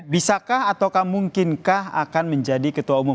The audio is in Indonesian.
bisakah ataukah mungkinkah akan menjadi ketua umum